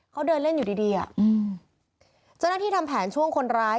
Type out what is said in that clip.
เขาเดินเล่นอยู่ดีอ่ะจนที่ทำแผนช่วงคนร้าย